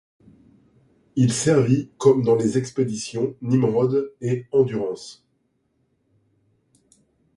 Il servit comme dans les expéditions Nimrod et Endurance.